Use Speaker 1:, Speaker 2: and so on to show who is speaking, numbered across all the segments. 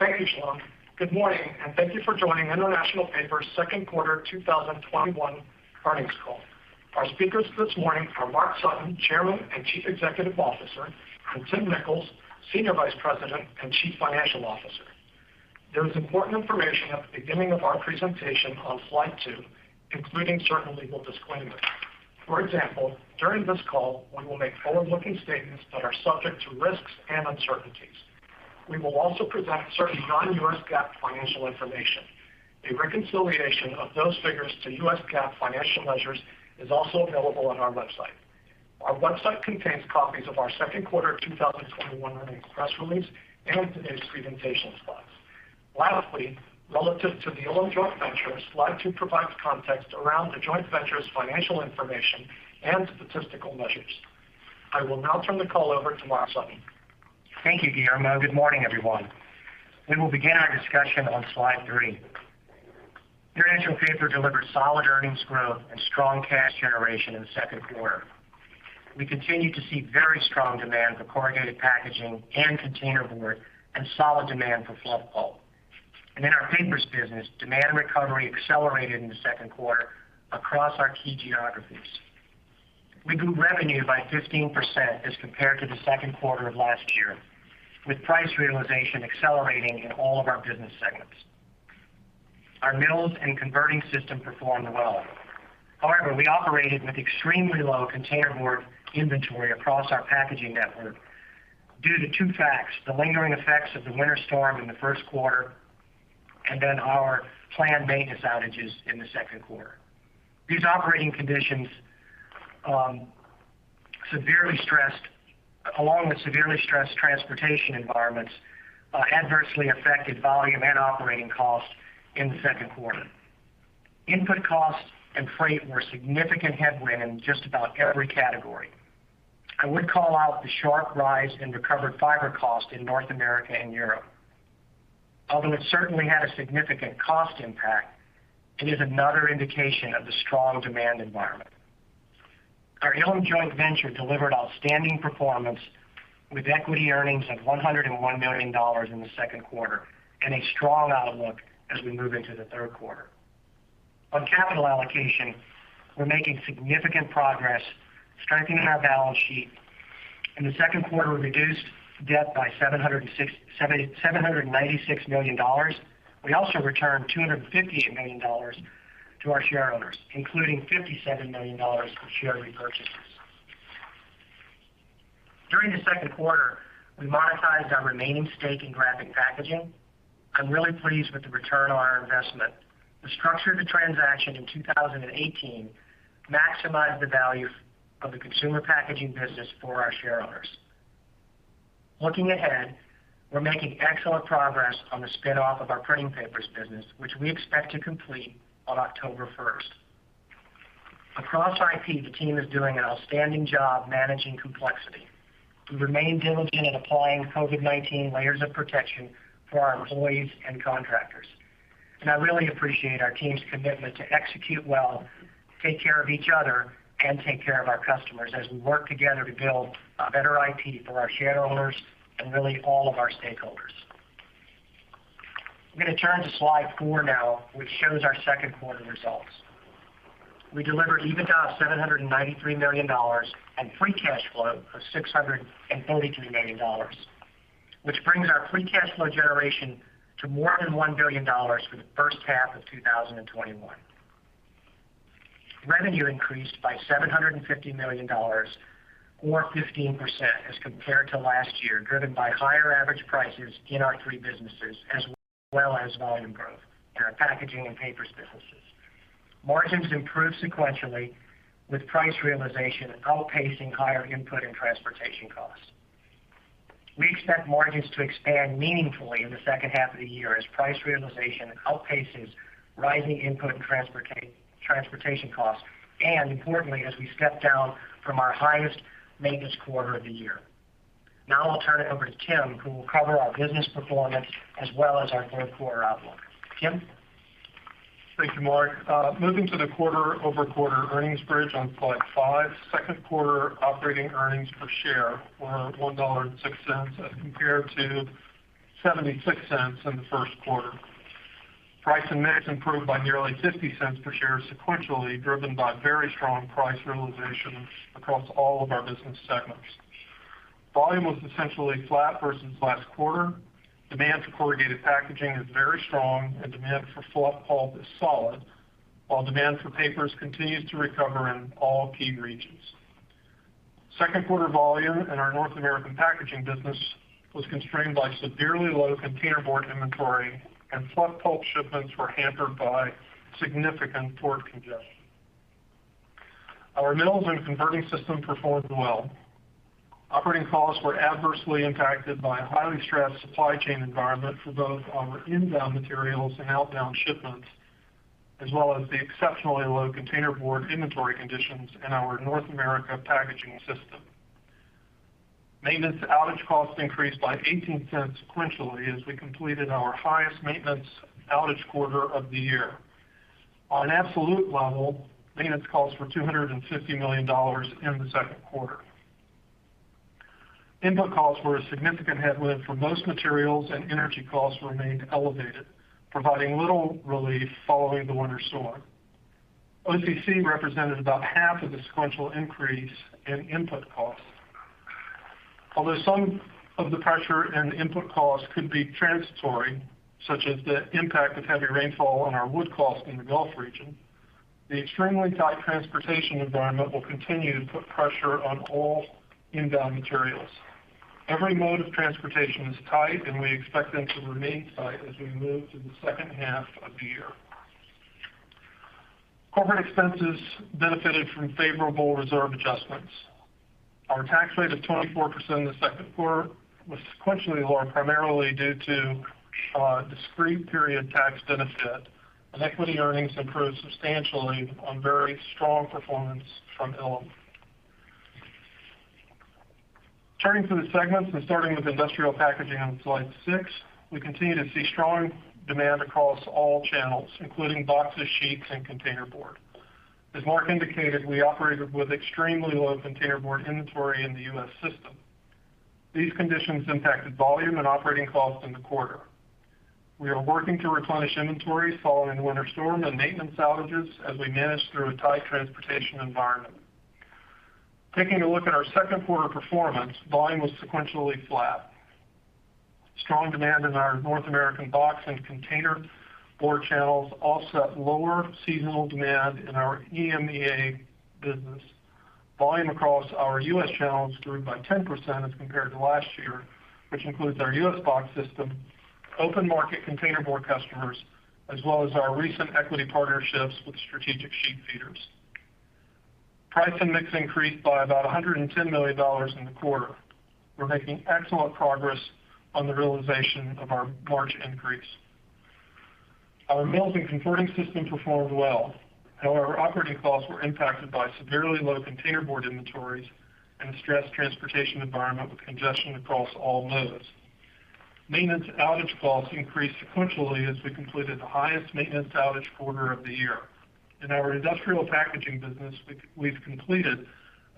Speaker 1: Thank you, Shalon. Good morning, and thank you for joining International Paper's Q2 2021 earnings call. Our speakers this morning are Mark Sutton, Chairman and Chief Executive Officer, and Timothy S. Nicholls, Senior Vice President and Chief Financial Officer. There is important information at the beginning of our presentation on slide two, including certain legal disclaimers. For example, during this call, we will make forward-looking statements that are subject to risks and uncertainties. We will also present certain non-U.S. GAAP financial information. A reconciliation of those figures to U.S. GAAP financial measures is also available on our website. Our website contains copies of our Q2 2021 earnings press release and today's presentation slides. Lastly, relative to the Ilim joint ventures, slide two provides context around the joint venture's financial information and statistical measures. I will now turn the call over to Mark Sutton.
Speaker 2: Thank you, Guillermo. Good morning, everyone. We will begin our discussion on slide three. International Paper delivered solid earnings growth and strong cash generation in the Q2. We continue to see very strong demand for corrugated packaging and containerboard, and solid demand for fluff pulp. In our papers business, demand recovery accelerated in the Q2 across our key geographies. We grew revenue by 15% as compared to the Q2 of last year, with price realization accelerating in all of our business segments. Our mills and converting system performed well. However, we operated with extremely low containerboard inventory across our packaging network due to two facts, the lingering effects of the winter storm in the Q1, and then our planned maintenance outages in the Q2. These operating conditions, along with severely stressed transportation environments, adversely affected volume and operating cost in the Q2. Input costs and freight were a significant headwind in just about every category. I would call out the sharp rise in recovered fiber cost in North America and Europe. Although it certainly had a significant cost impact, it is another indication of the strong demand environment. Our Ilim joint venture delivered outstanding performance with equity earnings of $101 million in the Q2, and a strong outlook as we move into the Q3. On capital allocation, we're making significant progress strengthening our balance sheet. In the Q2, we reduced debt by $796 million. We also returned $258 million to our shareholders, including $57 million from share repurchases. During the Q2, we monetized our remaining stake in Graphic Packaging. I'm really pleased with the return on our investment. The structure of the transaction in 2018 maximized the value of the consumer packaging business for our shareholders. Looking ahead, we're making excellent progress on the spin-off of our Printing Papers business, which we expect to complete on October 1st. Across IP, the team is doing an outstanding job managing complexity. We remain diligent in applying COVID-19 layers of protection for our employees and contractors. I really appreciate our team's commitment to execute well, take care of each other, and take care of our customers as we work together to build a better IP for our shareholders and really all of our stakeholders. I'm going to turn to slide four now, which shows our Q2 results. We delivered EBITDA of $793 million and free cash flow of $643 million, which brings our free cash flow generation to more than $1 billion for the H1 of 2021. Revenue increased by $750 million or 15% as compared to last year, driven by higher average prices in our three businesses as well as volume growth in our packaging and papers businesses. Margins improved sequentially with price realization outpacing higher input and transportation costs. We expect margins to expand meaningfully in the H2 of the year as price realization outpaces rising input and transportation costs, and importantly, as we step down from our highest maintenance quarter of the year. I'll turn it over to Tim Nicholls, who will cover our business performance as well as our Q3 outlook. Tim Nicholls?
Speaker 3: Thank you, Mark. Moving to the quarter-over-quarter earnings bridge on slide five. Q2 operating earnings per share were $1.06 as compared to $0.76 in the Q1. Price mix improved by nearly $0.50 per share sequentially, driven by very strong price realizations across all of our business segments. Volume was essentially flat versus last quarter. Demand for corrugated packaging is very strong, and demand for fluff pulp is solid, while demand for papers continues to recover in all key regions. Q2 volume in our North American packaging business was constrained by severely low containerboard inventory, and fluff pulp shipments were hampered by significant port congestion. Our mills and converting system performed well. Operating costs were adversely impacted by a highly stressed supply chain environment for both our inbound materials and outbound shipments, as well as the exceptionally low containerboard inventory conditions in our North America packaging system. Maintenance outage costs increased by $0.18 sequentially as we completed our highest maintenance outage quarter of the year. On an absolute level, maintenance costs were $250 million in the Q2. Input costs were a significant headwind for most materials, and energy costs remained elevated, providing little relief following the winter storm. OCC represented about half of the sequential increase in input costs. Although some of the pressure and input costs could be transitory, such as the impact of heavy rainfall on our wood costs in the Gulf region, the extremely tight transportation environment will continue to put pressure on all inbound materials. Every mode of transportation is tight, and we expect them to remain tight as we move to the second half of the year. Corporate expenses benefited from favorable reserve adjustments. Our tax rate of 24% in the Q2 was sequentially lower, primarily due to a discrete period tax benefit, and equity earnings improved substantially on very strong performance from Ilim. Turning to the segments and starting with Industrial Packaging on slide six, we continue to see strong demand across all channels, including boxes, sheets, and containerboard. As Mark indicated, we operated with extremely low containerboard inventory in the U.S. system. These conditions impacted volume and operating costs in the quarter. We are working to replenish inventory following winter storm and maintenance outages as we manage through a tight transportation environment. Taking a look at our Q2 performance, volume was sequentially flat. Strong demand in our North American box and containerboard channels offset lower seasonal demand in our EMEA business. Volume across our U.S. channels grew by 10% as compared to last year, which includes our U.S. box system, open market containerboard customers, as well as our recent equity partnerships with strategic sheet feeders. Price and mix increased by about $110 million in the quarter. We're making excellent progress on the realization of our margin increase. Our mills and converting system performed well. However, operating costs were impacted by severely low containerboard inventories and a stressed transportation environment with congestion across all modes. Maintenance outage costs increased sequentially as we completed the highest maintenance outage quarter of the year. In our Industrial Packaging business, we've completed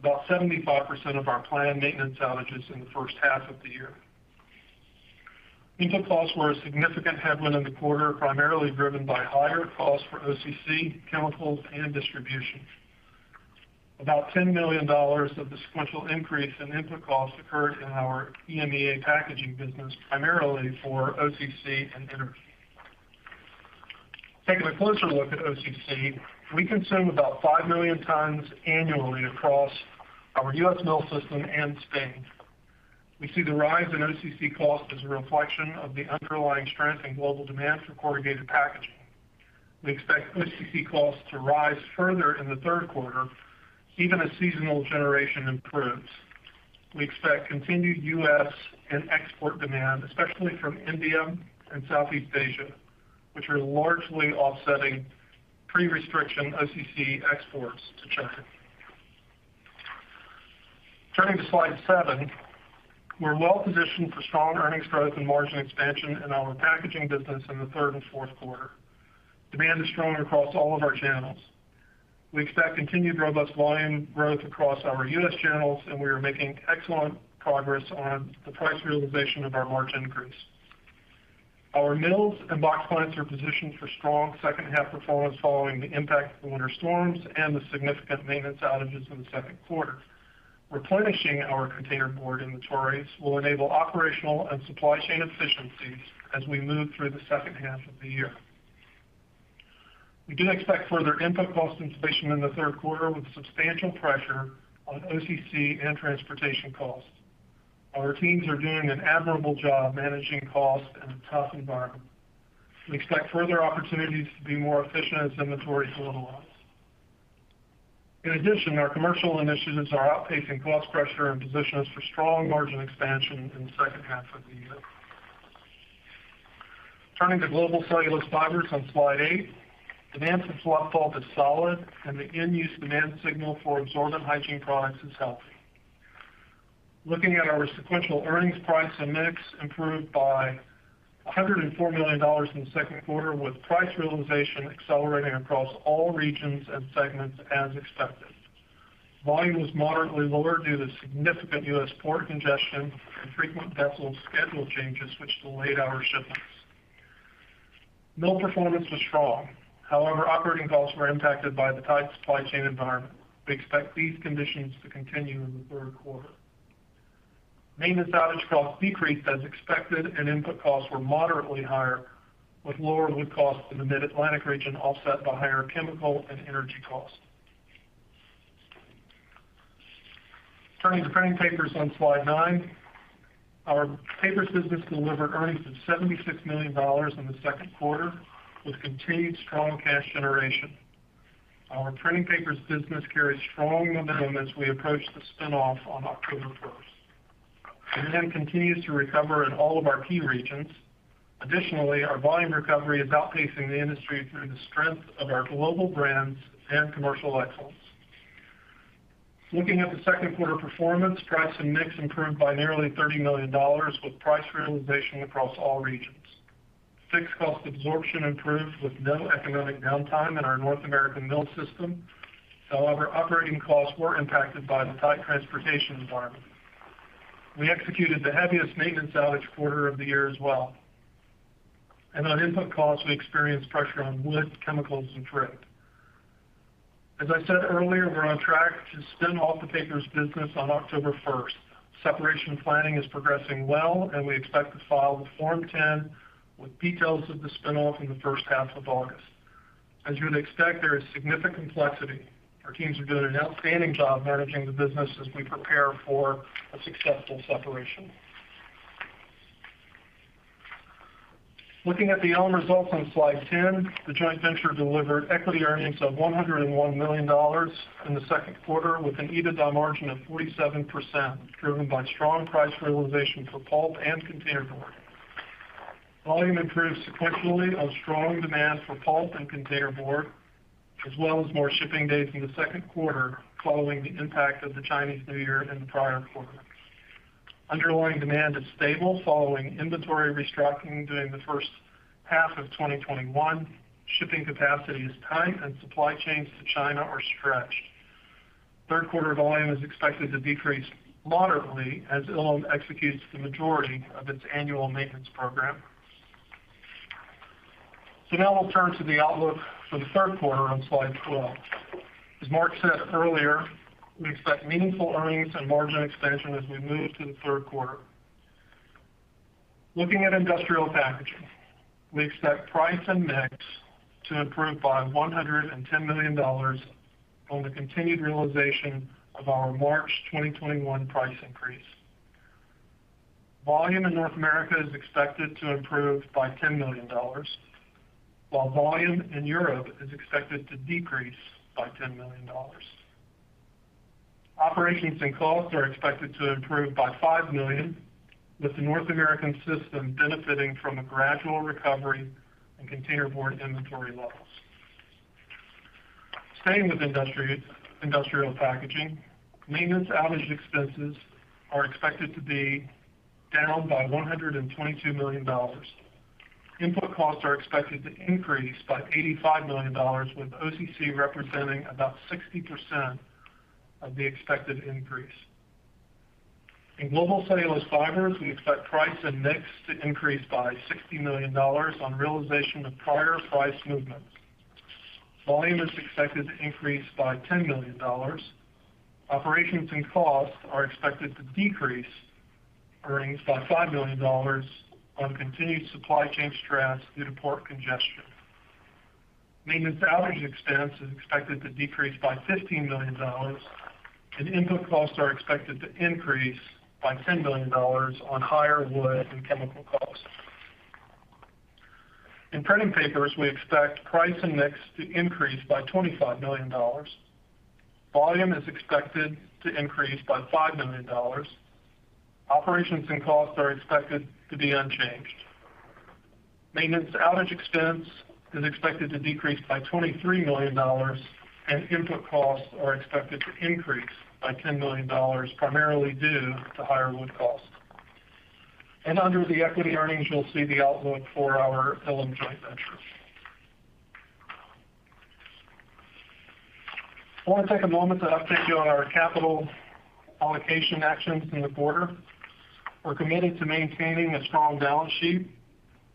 Speaker 3: about 75% of our planned maintenance outages in the H1 of the year. Input costs were a significant headwind in the quarter, primarily driven by higher costs for OCC, chemicals, and distribution. About $10 million of the sequential increase in input costs occurred in our EMEA packaging business, primarily for OCC and energy. Taking a closer look at OCC, we consume about 5 million tons annually across our U.S. mill system and Spain. We see the rise in OCC cost as a reflection of the underlying strength in global demand for corrugated packaging. We expect OCC costs to rise further in the Q3, even as seasonal generation improves. We expect continued U.S. and export demand, especially from India and Southeast Asia, which are largely offsetting pre-restriction OCC exports to China. Turning to slide seven, we're well-positioned for strong earnings growth and margin expansion in our packaging business in the Q3 and Q4. Demand is strong across all of our channels. We expect continued robust volume growth across our U.S. channels, and we are making excellent progress on the price realization of our margin increase. Our mills and box plants are positioned for strong H2 performance following the impact of the winter storms and the significant maintenance outages in the Q2. Replenishing our containerboard inventories will enable operational and supply chain efficiencies as we move through the H2 of the year. We do expect further input cost inflation in the Q3, with substantial pressure on OCC and transportation costs. Our teams are doing an admirable job managing costs in a tough environment. We expect further opportunities to be more efficient as inventories normalize. In addition, our commercial initiatives are outpacing cost pressure and position us for strong margin expansion in the H2 of the year. Turning to Global Cellulose Fibers on slide eight, demand for fluff pulp is solid, and the end-use demand signal for absorbent hygiene products is healthy. Looking at our sequential earnings, price, and mix improved by $104 million in the Q2, with price realization accelerating across all regions and segments as expected. Volume was moderately lower due to significant U.S. port congestion and frequent vessel schedule changes, which delayed our shipments. Mill performance was strong. Operating costs were impacted by the tight supply chain environment. We expect these conditions to continue in the Q3. Maintenance outage costs decreased as expected, and input costs were moderately higher, with lower wood costs in the Mid-Atlantic region offset by higher chemical and energy costs. Turning to Printing Papers on slide nine, our paper business delivered earnings of $76 million in the Q2, with continued strong cash generation. Our Printing Papers business carries strong momentum as we approach the spin-off on October 1st. Demand continues to recover in all of our key regions. Additionally, our volume recovery is outpacing the industry through the strength of our global brands and commercial excellence. Looking at the Q2 performance, price and mix improved by nearly $30 million with price realization across all regions. Fixed cost absorption improved with no economic downtime in our North American mill system. However, operating costs were impacted by the tight transportation environment. We executed the heaviest maintenance outage quarter of the year as well. On input costs, we experienced pressure on wood, chemicals, and kraft. As I said earlier, we're on track to spin off the Printing Papers business on October 1st. Separation planning is progressing well, and we expect to file the Form 10 with details of the spin-off in the H1 of August. As you would expect, there is significant complexity. Our teams are doing an outstanding job managing the business as we prepare for a successful separation. Looking at the Ilim results on slide 10, the joint venture delivered equity earnings of $101 million in the Q2 with an EBITDA margin of 47%, driven by strong price realization for pulp and containerboard. Volume improved sequentially on strong demand for pulp and containerboard, as well as more shipping days in the Q2 following the impact of the Chinese New Year in the prior quarter. Underlying demand is stable following inventory restructuring during the H1 of 2021. Shipping capacity is tight, and supply chains to China are stretched. Q3 volume is expected to decrease moderately as Ilim executes the majority of its annual maintenance program. Now we'll turn to the outlook for the Q3 on slide 12. As Mark said earlier, we expect meaningful earnings and margin expansion as we move to the Q3. Looking at Industrial Packaging, we expect price and mix to improve by $110 million on the continued realization of our March 2021 price increase. Volume in North America is expected to improve by $10 million, while volume in Europe is expected to decrease by $10 million. Operations and costs are expected to improve by $5 million, with the North American system benefiting from a gradual recovery in containerboard inventory levels. Staying with Industrial Packaging, maintenance outage expenses are expected to be down by $122 million. Input costs are expected to increase by $85 million, with OCC representing about 60% of the expected increase. In Global Cellulose Fibers, we expect price and mix to increase by $60 million on realization of prior price movements. Volume is expected to increase by $10 million. Operations and costs are expected to decrease earnings by $5 million on continued supply chain stress due to port congestion. Maintenance outage expense is expected to decrease by $15 million, and input costs are expected to increase by $10 million on higher wood and chemical costs. In Printing Papers, we expect price and mix to increase by $25 million. Volume is expected to increase by $5 million. Operations and costs are expected to be unchanged. Maintenance outage expense is expected to decrease by $23 million, and input costs are expected to increase by $10 million, primarily due to higher wood cost. Under the equity earnings, you'll see the outlook for our Ilim joint venture. I want to take a moment to update you on our capital allocation actions in the quarter. We're committed to maintaining a strong balance sheet.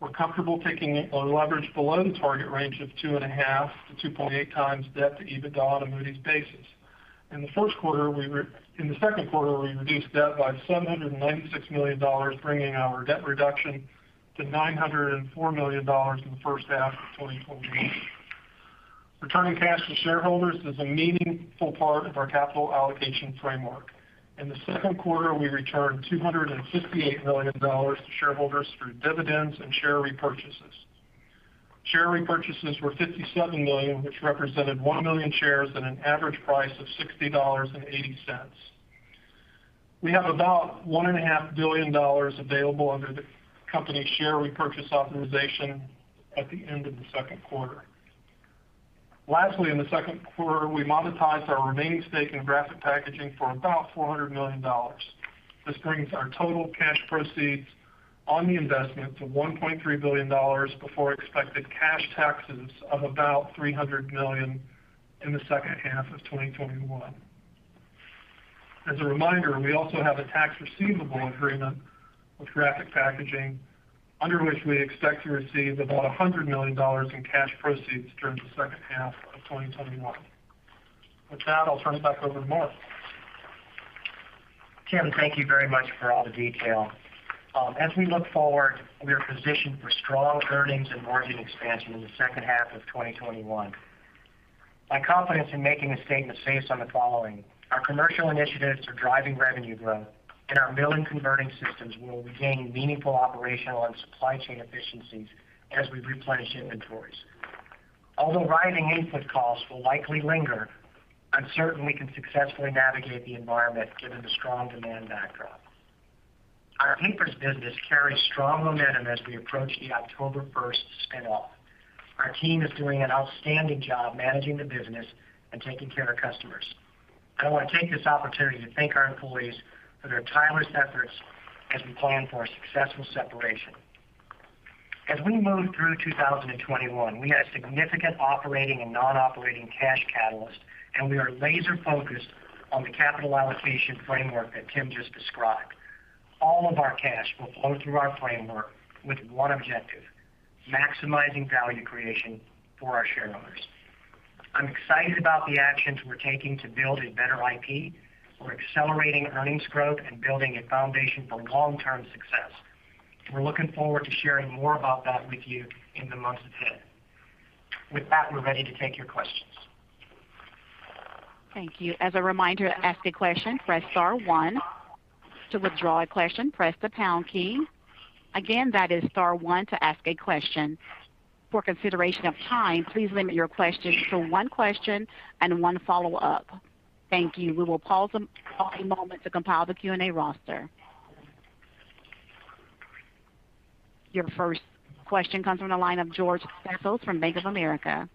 Speaker 3: We're comfortable taking a leverage below the target range of 2.5x-2.8x debt to EBITDA on a Moody's basis. In the Q2, we reduced debt by $796 million, bringing our debt reduction to $904 million in the H1 of 2021. Returning cash to shareholders is a meaningful part of our capital allocation framework. In the Q2, we returned $258 million to shareholders through dividends and share repurchases. Share repurchases were $57 million, which represented 1 million shares at an average price of $60.80. We have about $1.5 billion available under the company share repurchase authorization at the end of the Q2. Lastly, in the Q2, we monetized our remaining stake in Graphic Packaging for about $400 million. This brings our total cash proceeds on the investment to $1.3 billion before expected cash taxes of about $300 million in the H2 of 2021. As a reminder, we also have a tax receivable agreement with Graphic Packaging, under which we expect to receive about $100 million in cash proceeds during the H2 of 2021. With that, I'll turn it back over to Mark.
Speaker 2: Tim Nicholls, thank you very much for all the detail. As we look forward, we are positioned for strong earnings and margin expansion in the H2 of 2021. My confidence in making this statement is based on the following. Our commercial initiatives are driving revenue growth, and our mill and converting systems will regain meaningful operational and supply chain efficiencies as we replenish inventories. Although rising input costs will likely linger, I'm certain we can successfully navigate the environment given the strong demand backdrop. Our papers business carries strong momentum as we approach the October 1st spin-off. Our team is doing an outstanding job managing the business and taking care of customers. I want to take this opportunity to thank our employees for their tireless efforts as we plan for a successful separation. As we move through 2021, we had significant operating and non-operating cash catalysts, and we are laser-focused on the capital allocation framework that Tim just described. All of our cash will flow through our framework with one objective: maximizing value creation for our shareholders. I'm excited about the actions we're taking to build a better IP. We're accelerating earnings growth and building a foundation for long-term success. We're looking forward to sharing more about that with you in the months ahead. With that, we're ready to take your questions.
Speaker 4: Thank you. As a reminder, ask the question press star one. To withdraw your question, press the pound key. Again that is star one to ask a question. For consideration of time, please limit your question for one question and one follow-up. Thank you. We will pause them for a moment to compile the Q&A roster. Your first question comes from the line of George Staphos from Bank of America.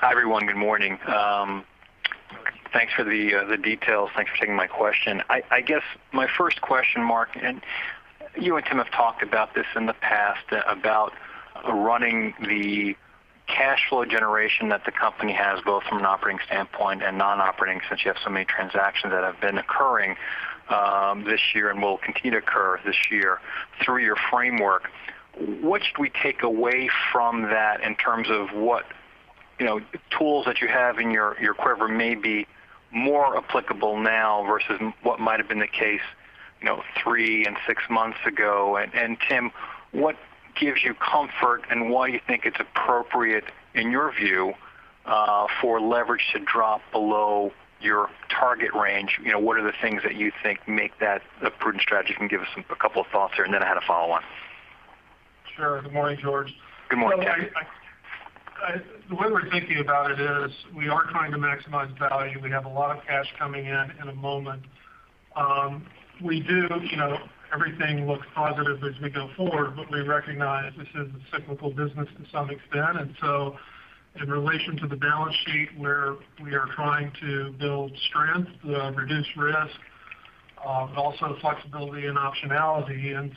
Speaker 5: Hi, everyone. Good morning. Thanks for the details. Thanks for taking my question. I guess my 1st question, Mark Sutton, and you and Tim Nicholls have talked about this in the past, about running the cash flow generation that the company has, both from an operating standpoint and non-operating, since you have so many transactions that have been occurring this year and will continue to occur this year through your framework. What should we take away from that in terms of what tools that you have in your quiver may be more applicable now versus what might have been the case three and six months ago? Tim Nicholls, what gives you comfort and why you think it's appropriate, in your view, for leverage to drop below your target range? What are the things that you think make that a prudent strategy? You can give us a couple of thoughts here, and then I had a follow-on.
Speaker 3: Sure. Good morning, George Staphos.
Speaker 5: Good morning.
Speaker 3: The way we're thinking about it is we are trying to maximize value. We have a lot of cash coming in in a moment. Everything looks positive as we go forward, but we recognize this is a cyclical business to some extent. In relation to the balance sheet, where we are trying to build strength, reduce risk, but also flexibility and optionality.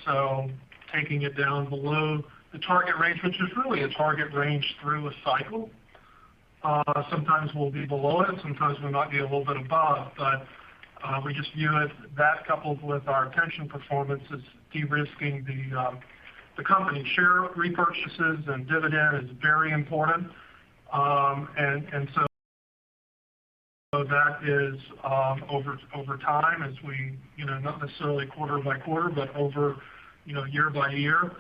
Speaker 3: Taking it down below the target range, which is really a target range through a cycle. Sometimes we'll be below it, and sometimes we might be a little bit above, but we just view it, that coupled with our pension performance is de-risking the company. Share repurchases and dividend is very important. That is over time as we, not necessarily quarter-by-quarter, but over year-by-year,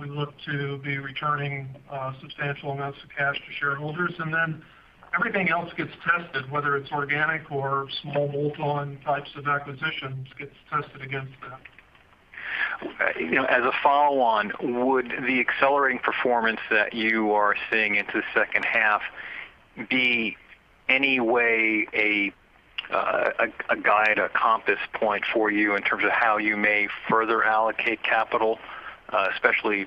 Speaker 3: we look to be returning substantial amounts of cash to shareholders. Everything else gets tested, whether it's organic or small bolt-on types of acquisitions, gets tested against that.
Speaker 5: As a follow-on, would the accelerating performance that you are seeing into the H2 be any way a guide, a compass point for you in terms of how you may further allocate capital, especially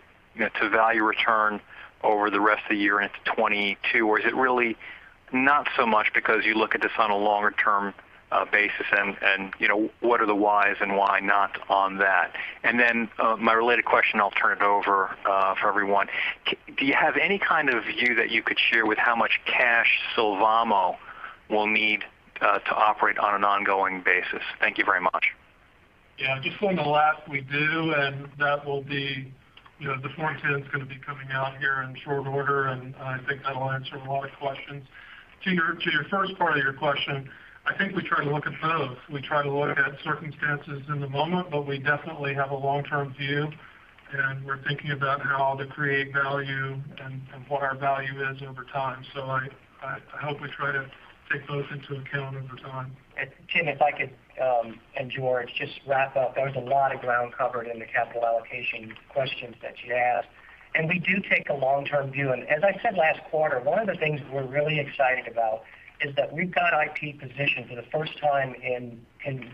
Speaker 5: to value return over the rest of the year into 2022? Or is it really not so much because you look at this on a longer-term basis, and what are the whys and why not on that? My related question, I'll turn it over for everyone. Do you have any kind of view that you could share with how much cash Sylvamo will need to operate on an ongoing basis? Thank you very much.
Speaker 3: Yeah. Just on the last we do, and the Form 10's going to be coming out here in short order, and I think that'll answer a lot of questions. To your first part of your question, I think we try to look at both. We try to look at circumstances in the moment, but we definitely have a long-term view, and we're thinking about how to create value and what our value is over time. I hope we try to take both into account over time.
Speaker 2: Tim, if I could, and George, just wrap up. There was a lot of ground covered in the capital allocation questions that you asked. We do take a long-term view. As I said last quarter, one of the things we're really excited about is that we've got IP positioned for the first time in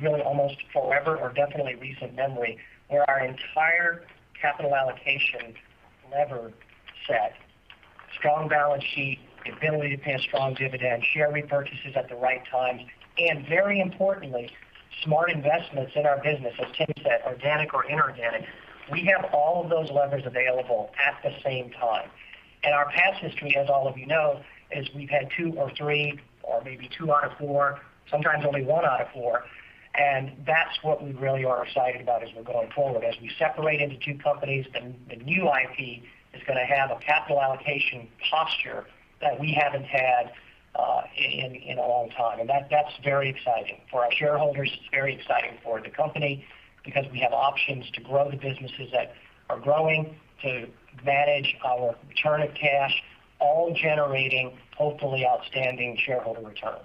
Speaker 2: really almost forever or definitely recent memory, where our entire capital allocation lever set, strong balance sheet, ability to pay a strong dividend, share repurchases at the right time, and very importantly, smart investments in our business, as Tim said, organic or inorganic. We have all of those levers available at the same time. Our past history, as all of you know, is we've had two or three or maybe two out of four, sometimes only one out of four, and that's what we really are excited about as we're going forward. As we separate into two companies, the new IP is going to have a capital allocation posture that we haven't had in a long time, and that's very exciting for our shareholders. It's very exciting for the company because we have options to grow the businesses that are growing, to manage our return of cash, all generating hopefully outstanding shareholder return.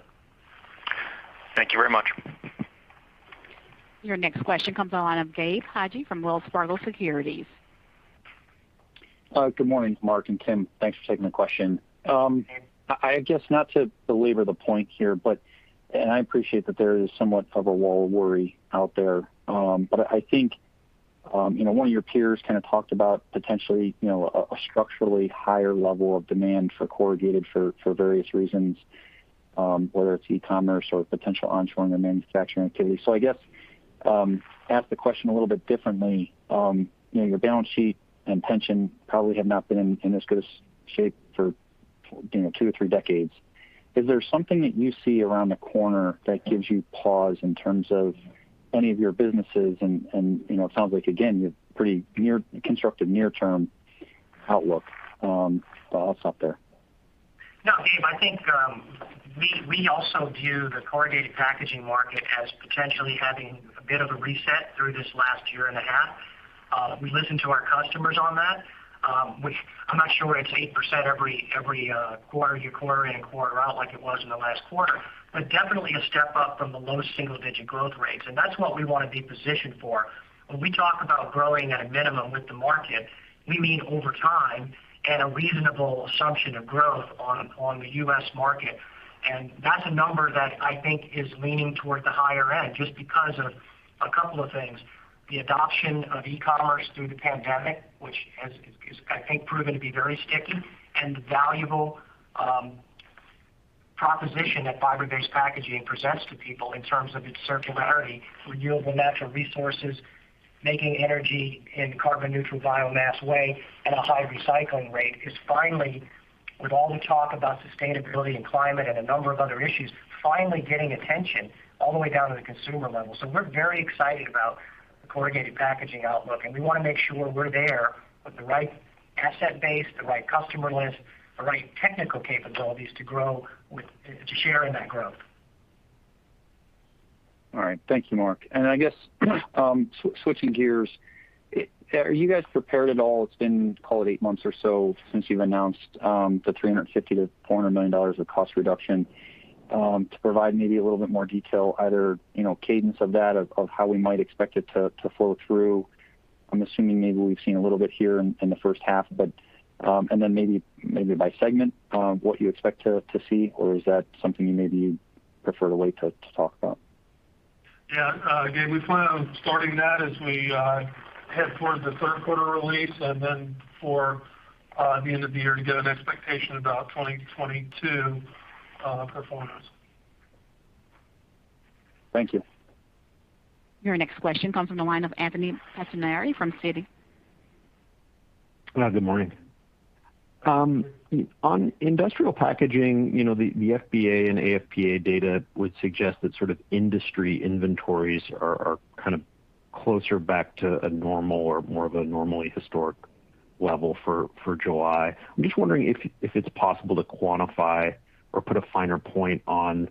Speaker 5: Thank you very much.
Speaker 4: Your next question comes on the line of Gabe Hajde from Wells Fargo Securities.
Speaker 6: Good morning, Mark and Tim. Thanks for taking the question. I guess not to belabor the point here, but, and I appreciate that there is somewhat of a wall of worry out there. I think, one of your peers kind of talked about potentially, a structurally higher level of demand for corrugated for various reasons, whether it's e-commerce or potential onshoring or manufacturing activity. I guess, ask the question a little bit differently. Your balance sheet and pension probably have not been in as good of shape for two or three decades. Is there something that you see around the corner that gives you pause in terms of any of your businesses and, it sounds like again, you have pretty constructive near-term outlook. Thoughts out there?
Speaker 2: No, Gabe, I think, we also view the corrugated packaging market as potentially having a bit of a reset through this last year and a half. We listen to our customers on that, which I'm not sure it's 8% every quarter, year quarter in and quarter out like it was in the last quarter, definitely a step up from the low single-digit growth rates. That's what we want to be positioned for. When we talk about growing at a minimum with the market, we mean over time at a reasonable assumption of growth on the U.S. market. That's a number that I think is leaning toward the higher end, just because of a couple of things. The adoption of e-commerce through the pandemic, which has, I think proven to be very sticky, and the valuable proposition that fiber-based packaging presents to people in terms of its circularity, renewable natural resources, making energy in carbon neutral biomass way, and a high recycling rate is finally, with all the talk about sustainability and climate and a number of other issues, finally getting attention all the way down to the consumer level. We're very excited about the corrugated packaging outlook, and we want to make sure we're there with the right asset base, the right customer list, the right technical capabilities to share in that growth.
Speaker 6: All right. Thank you, Mark. I guess, switching gears, are you guys prepared at all, it's been call it eight months or so since you've announced, the $350 million-$400 million of cost reduction, to provide maybe a little bit more detail either cadence of that, of how we might expect it to flow through. I'm assuming maybe we've seen a little bit here in the H1, but, and then maybe by segment, what you expect to see, or is that something you maybe prefer to wait to talk about?
Speaker 3: Yeah. Gabe, we plan on starting that as we head towards the Q3 release, and then for the end of the year to get an expectation about 2022 performance.
Speaker 6: Thank you.
Speaker 4: Your next question comes from the line of Anthony Pettinari from Citi.
Speaker 7: Good morning. On Industrial Packaging, the AF&PA and AF&PA data would suggest that sort of industry inventories are kind of closer back to a normal or more of a normally historic level for July. I'm just wondering if it's possible to quantify or put a finer point on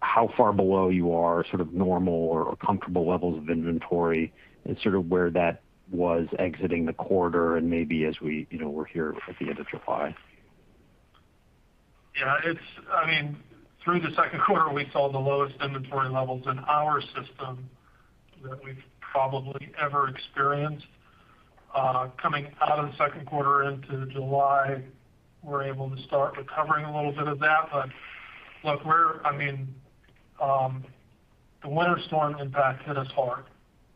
Speaker 7: how far below you are sort of normal or comfortable levels of inventory, and sort of where that was exiting the quarter and maybe as we're here at the end of July.
Speaker 3: Yeah. Through the Q2, we saw the lowest inventory levels in our system that we've probably ever experienced. Coming out of the Q2 into July, we're able to start recovering a little bit of that. Look, the winter storm impact hit us hard,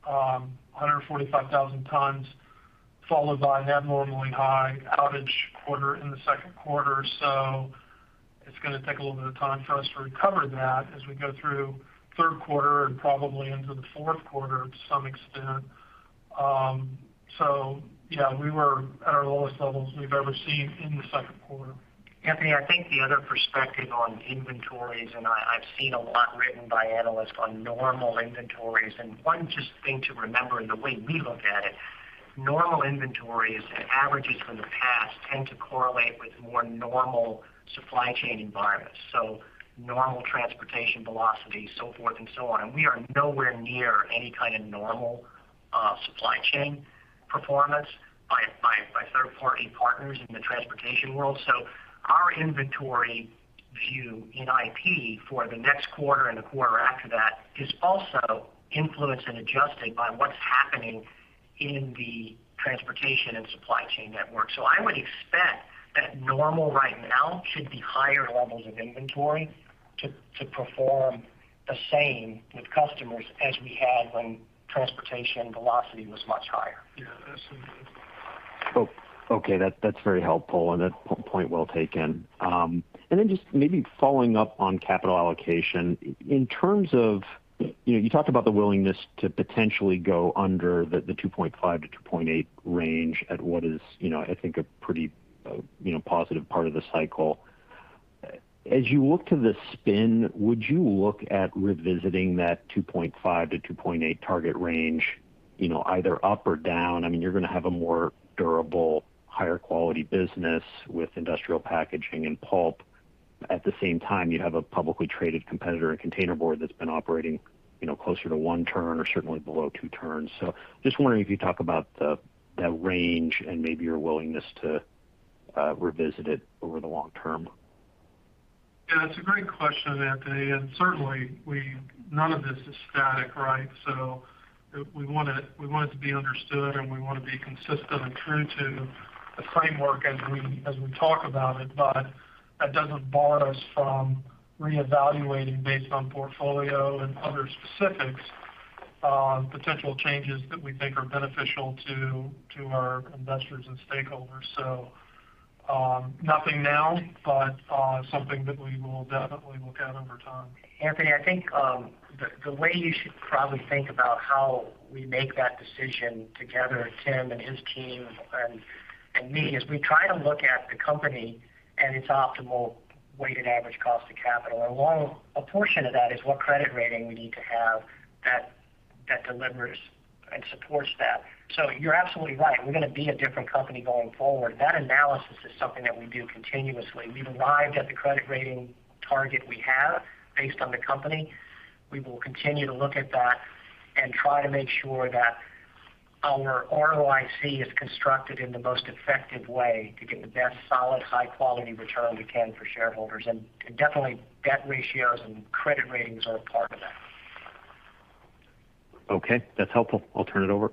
Speaker 3: 145,000 tons followed by abnormally high outage quarter in the Q2. It's going to take a little bit of time for us to recover that as we go through Q3 and probably into the Q4 to some extent. Yeah, we were at our lowest levels we've ever seen in the Q2.
Speaker 2: Anthony, I think the other perspective on inventories, I've seen a lot written by analysts on normal inventories. One just thing to remember in the way we look at it, normal inventories and averages from the past tend to correlate with more normal supply chain environments. Normal transportation velocity, so forth and so on. We are nowhere near any kind of normal supply chain performance by third-party partners in the transportation world. Our inventory view in IP for the next quarter and the quarter after that is also influenced and adjusted by what's happening in the transportation and supply chain network. I would expect that normal right now should be higher levels of inventory to perform the same with customers as we had when transportation velocity was much higher.
Speaker 3: Yeah, that's it.
Speaker 7: Okay. That's very helpful, and that point well taken. Then just maybe following up on capital allocation. You talked about the willingness to potentially go under the 2.5-2.8 range at what is I think a pretty positive part of the cycle. As you look to the spin, would you look at revisiting that 2.5-2.8 target range, either up or down? You're going to have a more durable, higher quality business with Industrial Packaging and pulp. The same time, you have a publicly traded competitor in containerboard that's been operating closer to one turn or certainly below two turns. Just wondering if you'd talk about that range and maybe your willingness to revisit it over the long-term.
Speaker 3: Yeah, it's a great question, Anthony, and certainly none of this is static, right? We want it to be understood, and we want to be consistent and true to the framework as we talk about it. That doesn't bar us from reevaluating based on portfolio and other specifics on potential changes that we think are beneficial to our investors and stakeholders. Nothing now, but something that we will definitely look at over time.
Speaker 2: Anthony, I think the way you should probably think about how we make that decision together, Tim and his team and me, is we try to look at the company and its optimal weighted average cost of capital. One portion of that is what credit rating we need to have that delivers and supports that. You're absolutely right. We're going to be a different company going forward. That analysis is something that we do continuously. We've arrived at the credit rating target we have based on the company. We will continue to look at that and try to make sure that our ROIC is constructed in the most effective way to get the best solid, high-quality return we can for shareholders. Definitely debt ratios and credit ratings are a part of that.
Speaker 7: Okay. That's helpful. I'll turn it over.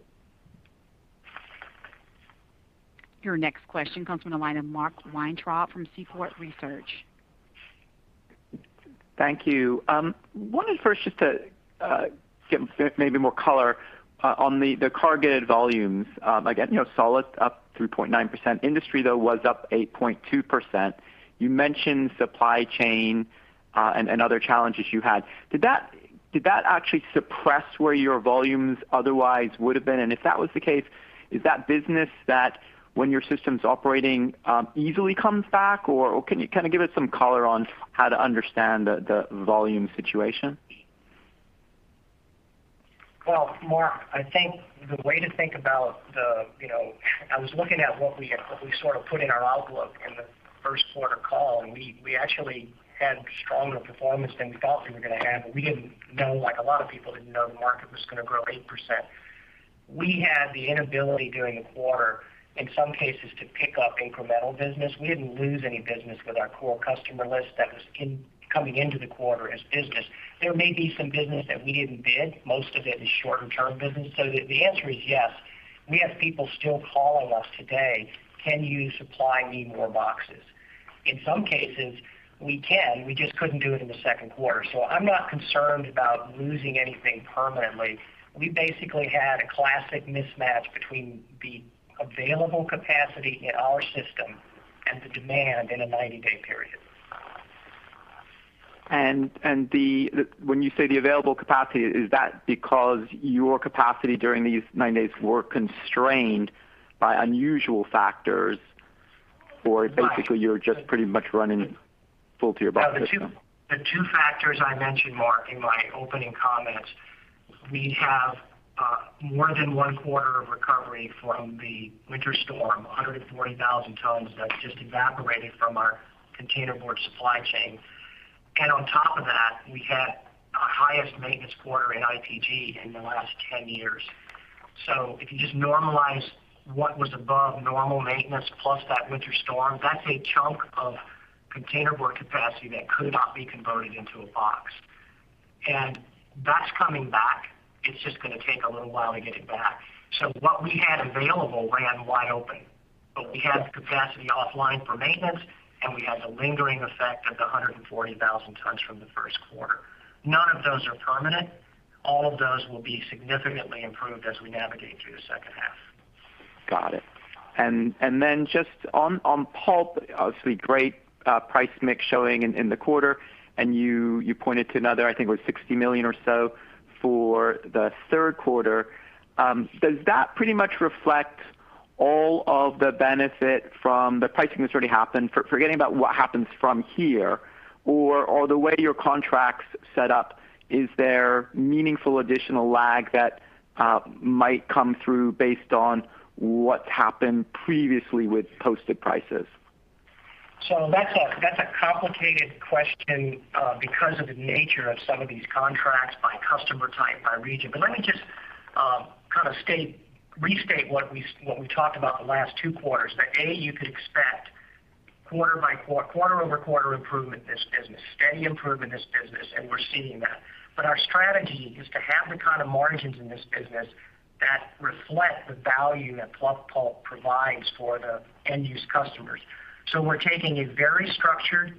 Speaker 4: Your next question comes from the line of Mark Weintraub from Seaport Research.
Speaker 8: Thank you. Wanted first just to get maybe more color on the corrugated volumes. Again, solid up 3.9%. Industry, though, was up 8.2%. You mentioned supply chain and other challenges you had. Did that actually suppress where your volumes otherwise would have been? If that was the case, is that business that when your system's operating easily comes back? Can you kind of give us some color on how to understand the volume situation?
Speaker 2: Well, Mark, I think the way to think about I was looking at what we sort of put in our outlook in the Q1 call, and we actually had stronger performance than we thought we were going to have. A lot of people didn't know the market was going to grow 8%. We had the inability during the quarter, in some cases, to pick up incremental business. We didn't lose any business with our core customer list that was coming into the quarter as business. There may be some business that we didn't bid. Most of it is shorter-term business. The answer is yes. We have people still calling us today. "Can you supply me more boxes?" In some cases, we can. We just couldn't do it in the Q2. I'm not concerned about losing anything permanently. We basically had a classic mismatch between the available capacity in our system and the demand in a 90-day period.
Speaker 8: When you say the available capacity, is that because your capacity during these 90 days were constrained by unusual factors? Or basically you're just pretty much running full to your box system?
Speaker 2: The two factors I mentioned, Mark, in my opening comments. We have more than one quarter of recovery from the winter storm, 140,000 tons that just evaporated from our containerboard supply chain. On top of that, we had our highest maintenance quarter in IPG in the last 10 years. If you just normalize what was above normal maintenance plus that winter storm, that's a chunk of containerboard capacity that could not be converted into a box. That's coming back. It's just going to take a little while to get it back. What we had available ran wide open, but we had capacity offline for maintenance, and we had the lingering effect of the 140,000 tons from the Q1. None of those are permanent. All of those will be significantly improved as we navigate through the H2.
Speaker 8: Got it. Then just on pulp, obviously great price mix showing in the quarter, and you pointed to another, I think it was $60 million or so for the Q3. Does that pretty much reflect all of the benefit from the pricing that's already happened, forgetting about what happens from here? The way your contract's set up, is there meaningful additional lag that might come through based on what's happened previously with posted prices?
Speaker 2: That's a complicated question because of the nature of some of these contracts by customer type, by region. Let me just kind of restate what we talked about the last two quarters. That, A, you could expect quarter-over-quarter improvement in this business, steady improvement in this business, and we're seeing that. Our strategy is to have the kind of margins in this business that reflect the value that fluff pulp provides for the end-use customers. We're taking a very structured,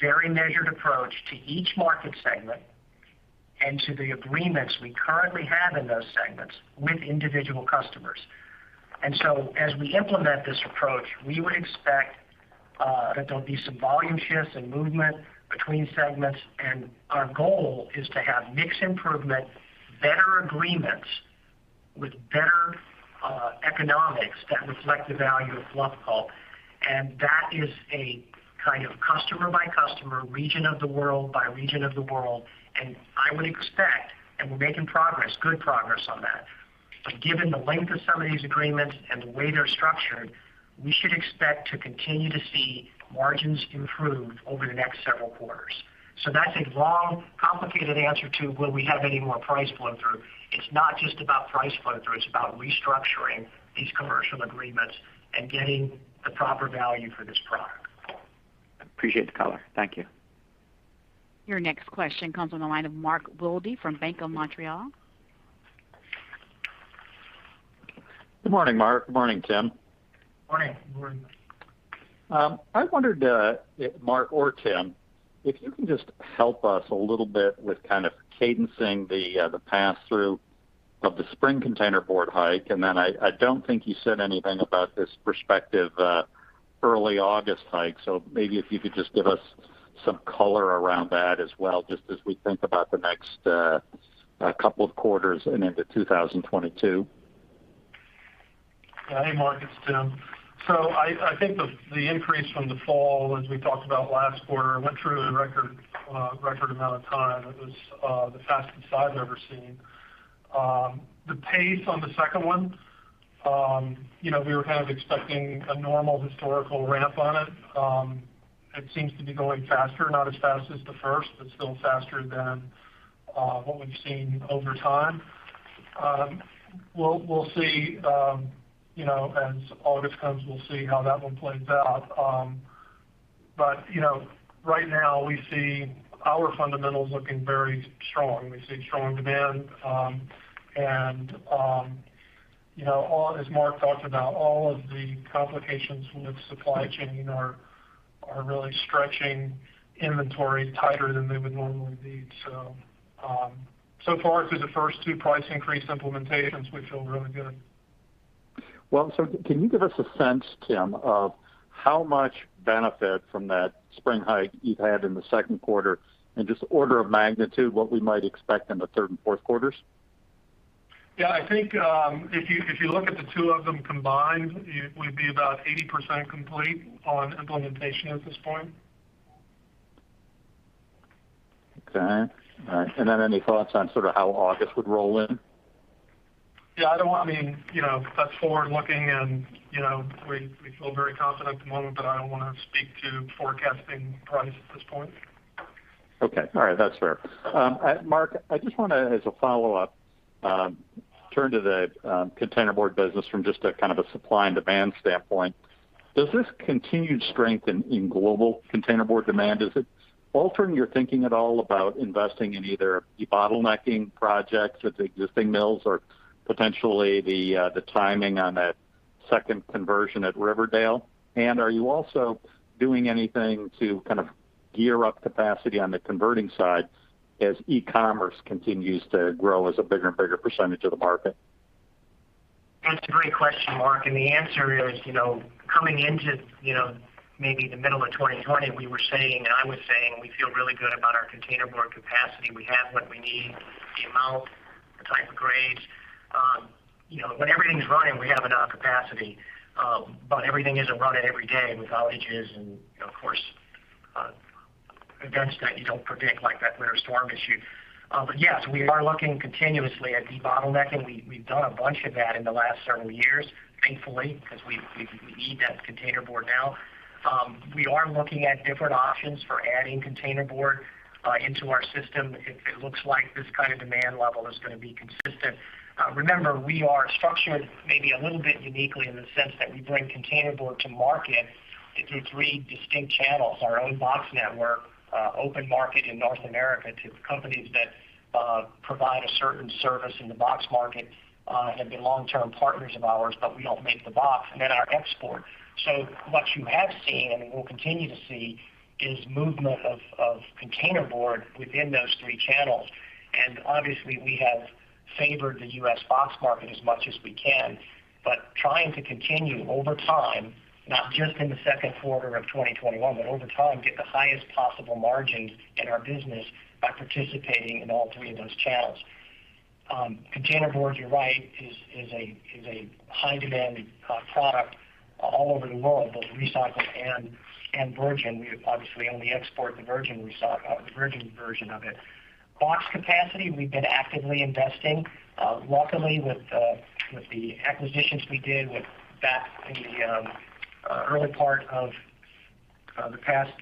Speaker 2: very measured approach to each market segment and to the agreements we currently have in those segments with individual customers. As we implement this approach, we would expect that there'll be some volume shifts and movement between segments, and our goal is to have mix improvement, better agreements with better economics that reflect the value of fluff pulp. That is a kind of customer-by-customer, region of the world-by-region of the world. I would expect, and we're making progress, good progress on that. Given the length of some of these agreements and the way they're structured, we should expect to continue to see margins improve over the next several quarters. That's a long, complicated answer to will we have any more price flow-through. It's not just about price flow-through, it's about restructuring these commercial agreements and getting the proper value for this product.
Speaker 8: Appreciate the color. Thank you.
Speaker 4: Your next question comes on the line of Mark Wilde from Bank of Montreal.
Speaker 9: Good morning, Mark. Good morning, Tim.
Speaker 3: Morning.
Speaker 2: Morning.
Speaker 9: I wondered, Mark or Tim, if you can just help us a little bit with kind of cadencing the pass-through of the spring containerboard hike. I don't think you said anything about this prospective early August hike. Maybe if you could just give us some color around that as well, just as we think about the next couple of quarters and into 2022.
Speaker 3: Yeah. Hey, Mark, it's Tim. I think the increase from the fall, as we talked about last quarter, went through in a record amount of time. It was the fastest I've ever seen. The pace on the second one, we were kind of expecting a normal historical ramp on it. It seems to be going faster, not as fast as the first, but still faster than what we've seen over time. As August comes, we'll see how that one plays out. Right now we see our fundamentals looking very strong. We see strong demand, and as Mark talked about, all of the complications with supply chain are really stretching inventory tighter than they would normally be. Far through the first two price increase implementations, we feel really good.
Speaker 9: Can you give us a sense, Tim, of how much benefit from that spring hike you've had in the Q2, and just order of magnitude, what we might expect in the Q3 and Q4?
Speaker 3: I think if you look at the two of them combined, we'd be about 80% complete on implementation at this point.
Speaker 9: Okay. All right. Any thoughts on sort of how August would roll in?
Speaker 3: Yeah, that's forward-looking and we feel very confident at the moment, but I don't want to speak to forecasting price at this point.
Speaker 9: Okay. All right. That's fair. Mark, I just want to, as a follow-up, turn to the containerboard business from just a kind of a supply and demand standpoint. Does this continued strength in global containerboard demand, is it altering your thinking at all about investing in either debottlenecking projects at the existing mills or potentially the timing on that second conversion at Riverdale? Are you also doing anything to kind of gear up capacity on the converting side as e-commerce continues to grow as a bigger and bigger percentage of the market?
Speaker 2: That's a great question, Mark, and the answer is coming into maybe the middle of 2020, we were saying, and I was saying, we feel really good about our containerboard capacity. We have what we need, the amount, the type of grades. When everything's running, we have enough capacity. Everything isn't running every day with outages and, of course, events that you don't predict, like that winter storm issue. Yes, we are looking continuously at debottlenecking. We've done a bunch of that in the last several years, thankfully, because we need that containerboard now. We are looking at different options for adding containerboard into our system if it looks like this kind of demand level is going to be consistent. Remember, we are structured maybe a little bit uniquely in the sense that we bring containerboard to market through three distinct channels. Our own box network, open market in North America to companies that provide a certain service in the box market have been long-term partners of ours, but we don't make the box, then our export. What you have seen, and will continue to see, is movement of containerboard within those three channels. Obviously, we have favored the U.S. box market as much as we can. Trying to continue over time, not just in the Q2 of 2021, but over time, get the highest possible margins in our business by participating in all three of those channels. Containerboard, you're right, is a high-demand product all over the world, both recycled and virgin. We obviously only export the virgin version of it. Box capacity, we've been actively investing. Luckily, with the acquisitions we did back in the early part of the past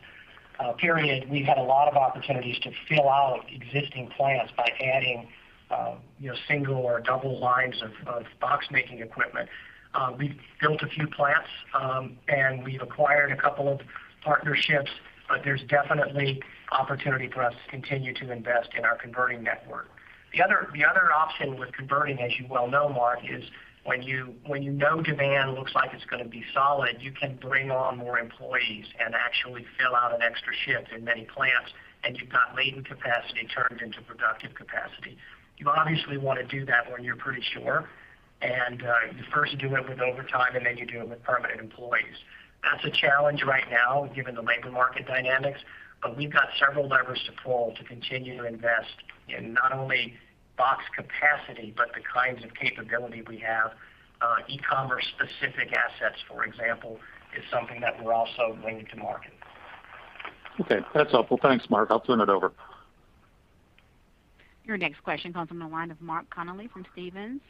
Speaker 2: period, we've had a lot of opportunities to fill out existing plants by adding single or double lines of box-making equipment. We've built a few plants, and we've acquired a couple of partnerships, but there's definitely opportunity for us to continue to invest in our converting network. The other option with converting, as you well know, Mark, is when you know demand looks like it's going to be solid, you can bring on more employees and actually fill out an extra shift in many plants, and you've got latent capacity turned into productive capacity. You obviously want to do that when you're pretty sure, and you first do it with overtime, and then you do it with permanent employees. That's a challenge right now given the labor market dynamics, but we've got several levers to pull to continue to invest in not only box capacity, but the kinds of capability we have. E-commerce specific assets, for example, is something that we're also bringing to market.
Speaker 9: Okay. That's helpful. Thanks, Mark. I'll turn it over.
Speaker 4: Your next question comes from the line of Mark Connelly from Stephens.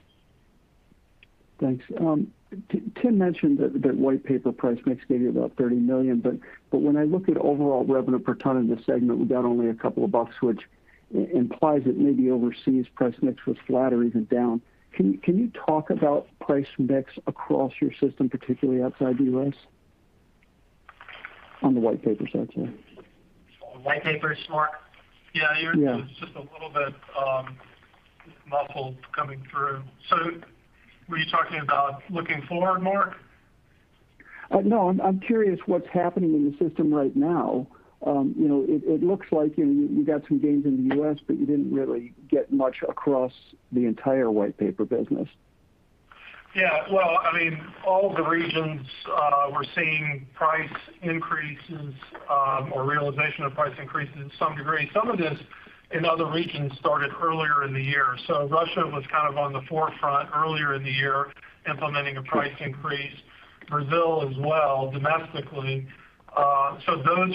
Speaker 10: Thanks. Tim mentioned that white paper price mix gave you about $30 million, when I look at overall revenue per ton in this segment, we've got only a couple of bucks, which implies that maybe overseas price mix was flat or even down. Can you talk about price mix across your system, particularly outside the U.S.? On the white paper side, sorry.
Speaker 3: On the white paper side, Mark?
Speaker 10: Yeah.
Speaker 3: Yeah, you're just a little bit muffled coming through. Were you talking about looking forward, Mark?
Speaker 10: No, I'm curious what's happening in the system right now. It looks like you got some gains in the U.S., but you didn't really get much across the entire white paper business.
Speaker 3: Yeah. Well, all of the regions we're seeing price increases or realization of price increases to some degree. Some of this in other regions started earlier in the year. Russia was kind of on the forefront earlier in the year implementing a price increase. Brazil as well, domestically. Those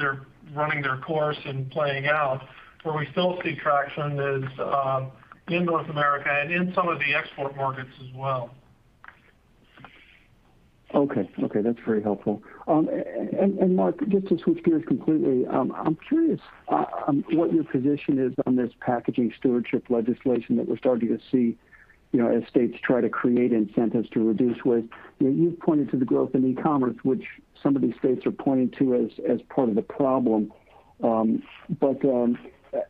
Speaker 3: are running their course and playing out. Where we still see traction is in North America and in some of the export markets as well.
Speaker 10: Okay. That's very helpful. Mark, just to switch gears completely, I'm curious what your position is on this packaging stewardship legislation that we're starting to see as states try to create incentives to reduce waste. You've pointed to the growth in e-commerce, which some of these states are pointing to as part of the problem. We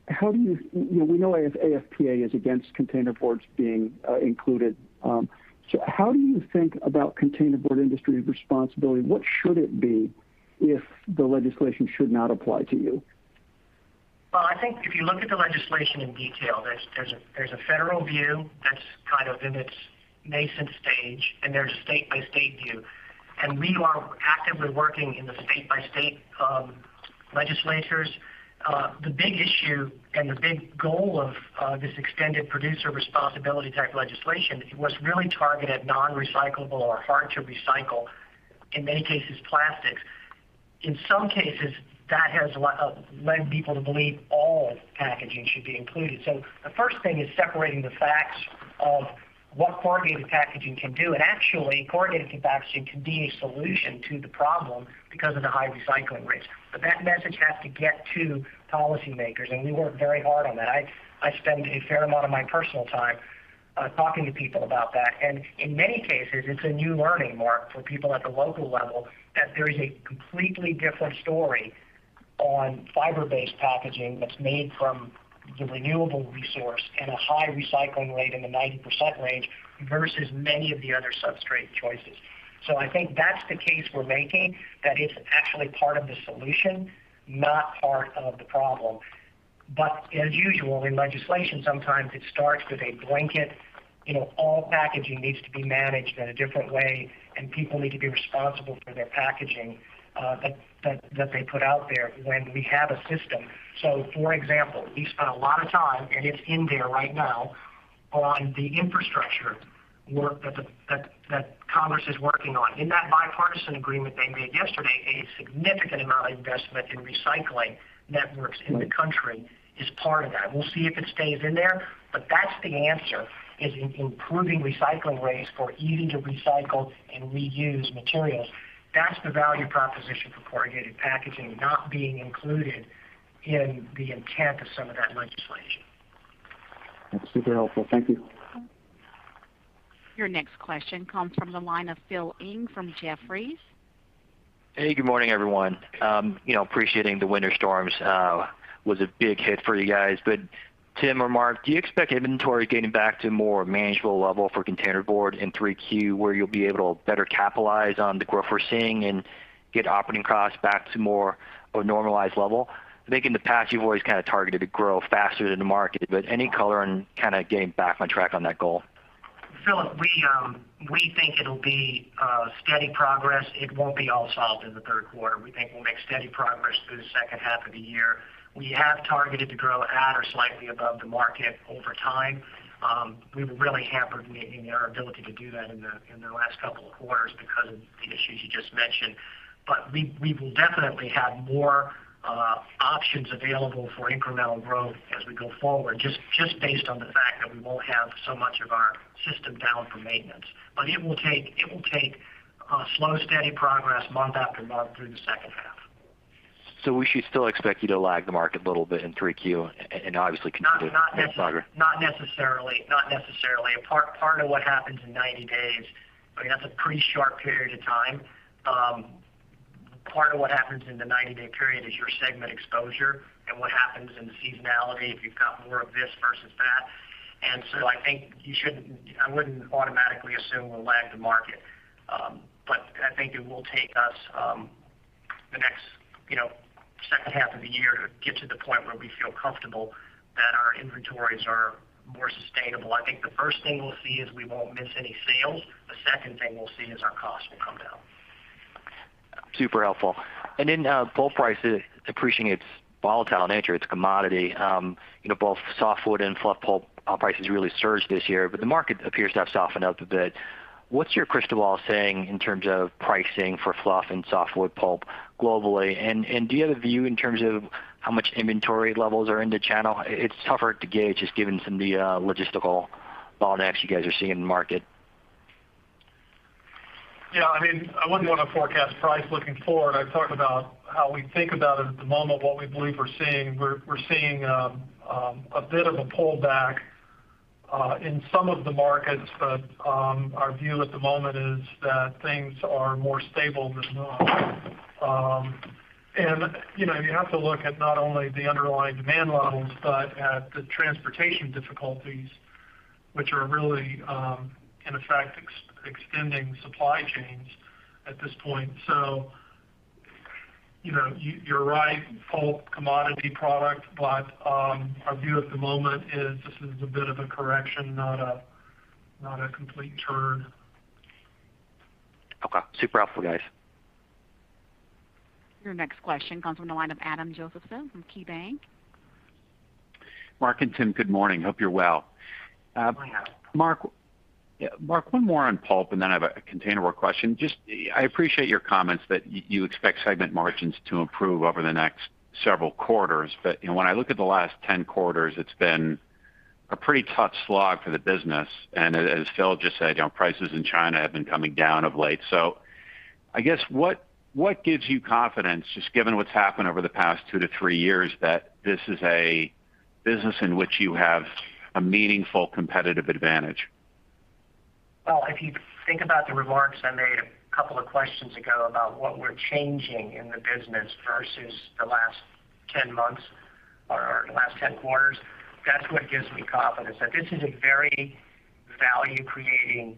Speaker 10: know AF&PA is against containerboard being included. How do you think about containerboard industry responsibility? What should it be if the legislation should not apply to you?
Speaker 2: Well, I think if you look at the legislation in detail, there's a federal view that's kind of in its nascent stage, and there's a state-by-state view. We are actively working in the state-by-state legislatures. The big issue and the big goal of this extended producer responsibility type legislation, it was really targeted non-recyclable or hard to recycle, in many cases, plastics. In some cases, that has led people to believe all packaging should be included. The first thing is separating the facts of what corrugated packaging can do, and actually, corrugated packaging can be a solution to the problem because of the high recycling rates. That message has to get to policy makers, and we work very hard on that. I spend a fair amount of my personal time talking to people about that. In many cases, it's a new learning, Mark, for people at the local level, that there is a completely different story on fiber-based packaging that's made from the renewable resource and a high recycling rate in the 90% range versus many of the other substrate choices. I think that's the case we're making, that it's actually part of the solution, not part of the problem. As usual, in legislation, sometimes it starts with a blanket, all packaging needs to be managed in a different way, and people need to be responsible for their packaging that they put out there when we have a system. For example, we spent a lot of time, and it's in there right now, on the infrastructure work that Congress is working on. In that bipartisan agreement they made yesterday, a significant amount of investment in recycling networks in the country is part of that. We'll see if it stays in there. That's the answer, is in improving recycling rates for easy to recycle and reuse materials. That's the value proposition for corrugated packaging not being included in the intent of some of that legislation.
Speaker 10: That's super helpful. Thank you.
Speaker 4: Your next question comes from the line of Philip Ng from Jefferies.
Speaker 11: Hey, good morning, everyone. Appreciating the winter storms was a big hit for you guys, but Tim or Mark, do you expect inventory getting back to a more manageable level for containerboard in 3Q, where you'll be able to better capitalize on the growth we're seeing and get operating costs back to more of a normalized level? I think in the past, you've always kind of targeted to grow faster than the market, but any color on kind of getting back on track on that goal?
Speaker 2: Philip, we think it'll be steady progress. It won't be all solved in the Q3. We think we'll make steady progress through the H2 of the year. We have targeted to grow at or slightly above the market over time. We were really hampered in our ability to do that in the last couple of quarters because of the issues you just mentioned. We will definitely have more options available for incremental growth as we go forward, just based on the fact that we won't have so much of our system down for maintenance. It will take slow, steady progress month after month through the H2.
Speaker 11: We should still expect you to lag the market a little bit in 3Q and obviously continue to make progress.
Speaker 2: Not necessarily. Part of what happens in 90 days, that's a pretty short period of time. Part of what happens in the 90-day period is your segment exposure and what happens in the seasonality, if you've got more of this versus that. I think I wouldn't automatically assume we'll lag the market. I think it will take us the next H2 of the year to get to the point where we feel comfortable that our inventories are more sustainable. I think the first thing we'll see is we won't miss any sales. The second thing we'll see is our costs will come down.
Speaker 11: Super helpful. Pulp prices, appreciating its volatile nature, it's a commodity. Both softwood and fluff pulp prices really surged this year, but the market appears to have softened up a bit. What's your crystal ball saying in terms of pricing for fluff and softwood pulp globally? Do you have a view in terms of how much inventory levels are in the channel? It's tougher to gauge, just given some of the logistical bottlenecks you guys are seeing in the market.
Speaker 3: Yeah. I wouldn't want to forecast price looking forward. I talked about how we think about it at the moment, what we believe we're seeing. We're seeing a bit of a pullback in some of the markets, but our view at the moment is that things are more stable than not. You have to look at not only the underlying demand levels, but at the transportation difficulties, which are really, in effect, extending supply chains at this point. You're right, pulp, commodity product, but our view at the moment is this is a bit of a correction, not a complete turn.
Speaker 11: Okay. Super helpful, guys.
Speaker 4: Your next question comes from the line of Adam Josephson from KeyBanc.
Speaker 12: Mark and Tim, good morning. Hope you're well.
Speaker 2: Morning, Adam.
Speaker 12: Mark, one more on pulp, and then I have a containerboard question. Just, I appreciate your comments that you expect segment margins to improve over the next several quarters. When I look at the last 10 quarters, it's been a pretty tough slog for the business. As Philip Ng just said, prices in China have been coming down of late. I guess, what gives you confidence, just given what's happened over the past two-three years, that this is a business in which you have a meaningful competitive advantage?
Speaker 2: If you think about the remarks I made a couple of questions ago about what we're changing in the business versus the last 10 months or the last 10 quarters, that's what gives me confidence. This is a very value-creating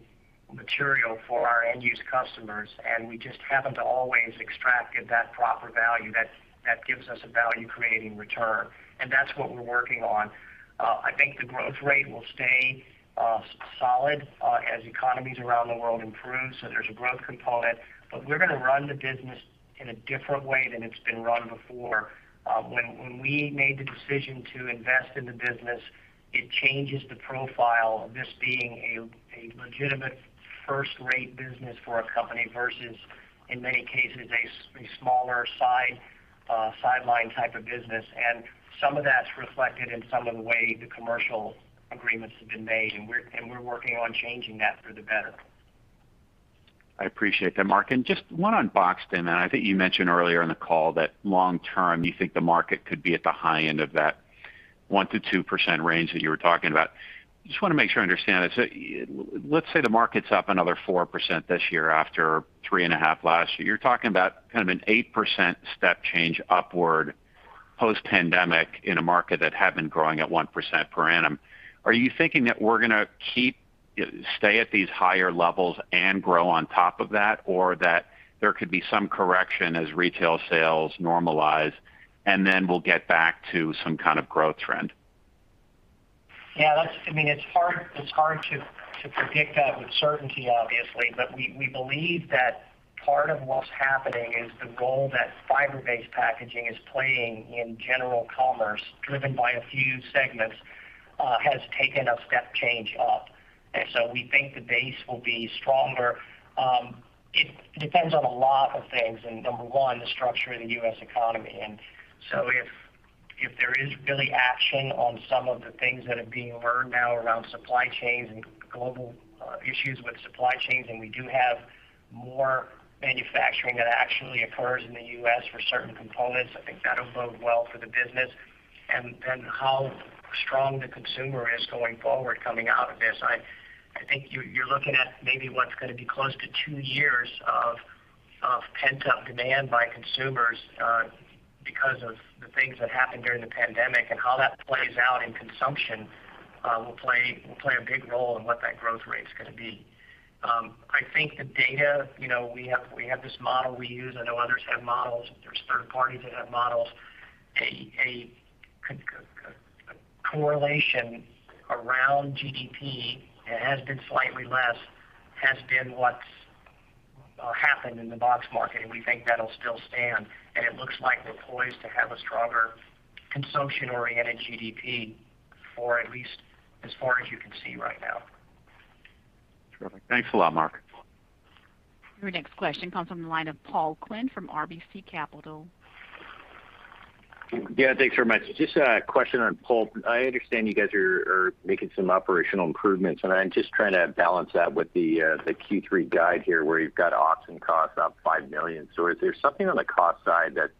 Speaker 2: material for our end-use customers, and we just haven't always extracted that proper value that gives us a value-creating return. That's what we're working on. I think the growth rate will stay solid as economies around the world improve, so there's a growth component. We're going to run the business in a different way than it's been run before. When we made the decision to invest in the business, it changes the profile of this being a legitimate first-rate business for a company versus, in many cases, a smaller sideline type of business. Some of that's reflected in some of the way the commercial agreements have been made, and we're working on changing that for the better.
Speaker 12: I appreciate that, Mark. Just one on box, I think you mentioned earlier in the call that long term, you think the market could be at the high end of that 1%-2% range that you were talking about. Just want to make sure I understand this. Let's say the market's up another 4% this year after 3.5% last year. You're talking about kind of an 8% step change upward post-pandemic in a market that had been growing at 1% per annum. Are you thinking that we're going to stay at these higher levels and grow on top of that, or that there could be some correction as retail sales normalize, and then we'll get back to some kind of growth trend?
Speaker 2: Yeah, it's hard to predict that with certainty, obviously. We believe that part of what's happening is the role that fiber-based packaging is playing in general commerce, driven by a few segments, has taken a step change up. We think the base will be stronger. It depends on a lot of things, and number one, the structure of the U.S. economy. If there is really action on some of the things that are being learned now around supply chains and global issues with supply chains, and we do have more manufacturing that actually occurs in the U.S. for certain components, I think that'll bode well for the business. How strong the consumer is going forward coming out of this. I think you're looking at maybe what's going to be close to two years of pent-up demand by consumers because of the things that happened during the pandemic. How that plays out in consumption will play a big role in what that growth rate's going to be. We have this model we use. I know others have models. There's third parties that have models. A correlation around GDP, it has been slightly less, has been what's happened in the box market, and we think that'll still stand. It looks like we're poised to have a stronger consumption-oriented GDP for at least as far as you can see right now.
Speaker 12: Terrific. Thanks a lot, Mark.
Speaker 4: Your next question comes from the line of Paul Quinn from RBC Capital.
Speaker 13: Thanks very much. Just a question on pulp. I understand you guys are making some operational improvements, and I'm just trying to balance that with the Q3 guide here, where you've got ops and costs up $5 million. Is there something on the cost side that's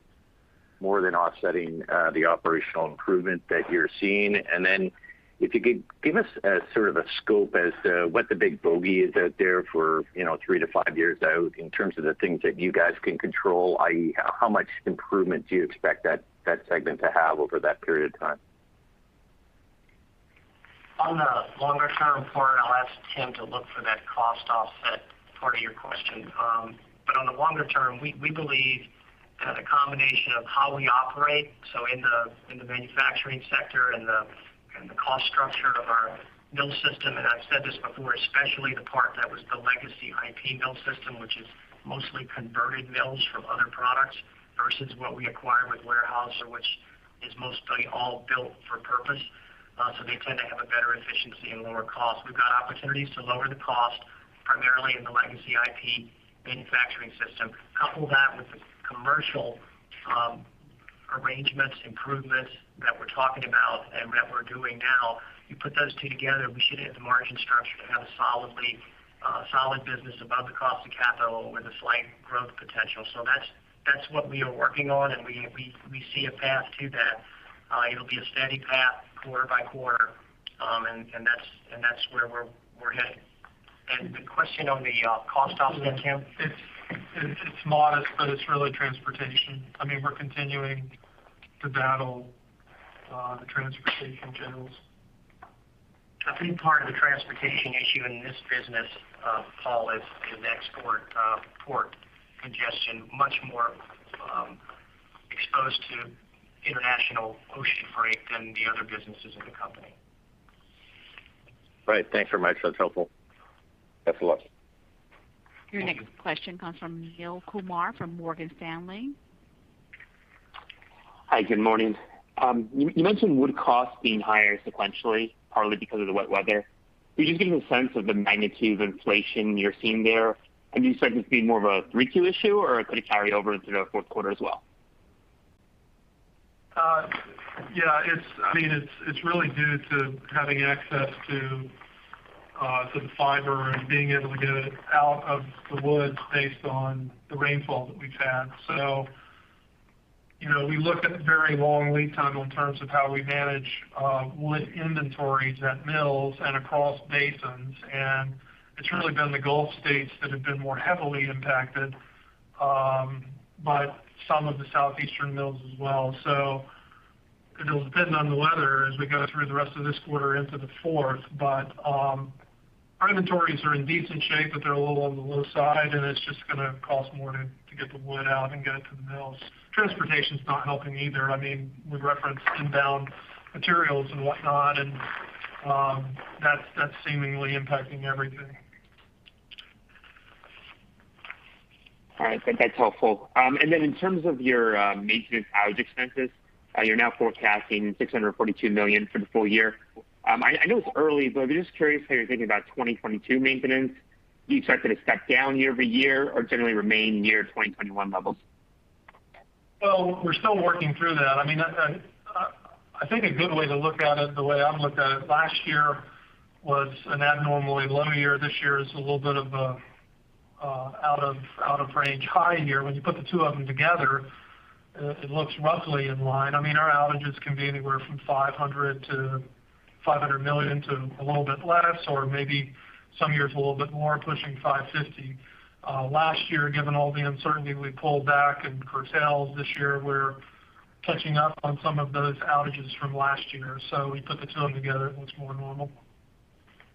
Speaker 13: more than offsetting the operational improvement that you're seeing? If you could give us a sort of a scope as to what the big bogey is out there for three-five years out in terms of the things that you guys can control, i.e., how much improvement do you expect that segment to have over that period of time?
Speaker 2: On the longer-term part, I'll ask Tim to look for that cost offset part of your question. On the longer-term, we believe that a combination of how we operate, so in the manufacturing sector and the cost structure of our mill system, and I've said this before, especially the part that was the legacy IP mill system, which is mostly converted mills from other products versus what we acquire with Weyerhaeuser, which is mostly all built for purpose. They tend to have a better efficiency and lower cost. We've got opportunities to lower the cost, primarily in the legacy IP manufacturing system. Couple that with the commercial arrangements, improvements that we're talking about and that we're doing now. You put those two together, we should hit the margin structure to have a solid business above the cost of capital with a slight growth potential. That's what we are working on, and we see a path to that. It'll be a steady path quarter-by-quarter, and that's where we're heading. The question on the cost offset, Tim Nicholls?
Speaker 3: It's modest, but it's really transportation. We're continuing to battle the transportation challenges.
Speaker 2: A big part of the transportation issue in this business, Paul, is the export port congestion, much more exposed to international ocean freight than the other businesses of the company.
Speaker 13: Right. Thanks very much. That's helpful.
Speaker 3: Thanks a lot.
Speaker 4: Your next question comes from Neel Kumar from Morgan Stanley.
Speaker 14: Hi, good morning. You mentioned wood cost being higher sequentially, partly because of the wet weather. Could you just give me a sense of the magnitude of inflation you're seeing there? Have you started to see more of a 3Q issue, or could it carry over into the Q4 as well?
Speaker 3: Yeah, it's really due to having access to the fiber and being able to get it out of the woods based on the rainfall that we've had. We look at a very long lead time in terms of how we manage wood inventories at mills and across basins, and it's really been the Gulf States that have been more heavily impacted, but some of the Southeastern mills as well. It'll depend on the weather as we go through the rest of this quarter into the fourth. Our inventories are in decent shape, but they're a little on the low side, and it's just going to cost more to get the wood out and get it to the mills. Transportation's not helping either. We referenced inbound materials and whatnot, and that's seemingly impacting everything.
Speaker 14: All right. That's helpful. Then in terms of your maintenance outage expenses, you're now forecasting $642 million for the full-year. I know it's early, but I'm just curious how you're thinking about 2022 maintenance. Do you expect it to step down year-over-year or generally remain near 2021 levels?
Speaker 3: Well, we're still working through that. I think a good way to look at it, the way I look at it, last year was an abnormally low year. This year is a little bit of a out of range high year. When you put the two of them together, it looks roughly in line. Our outages can be anywhere from $500 million to a little bit less, or maybe some years a little bit more, pushing $550. Last year, given all the uncertainty, we pulled back and curtailed. This year, we're catching up on some of those outages from last year. We put the two of them together, it looks more normal.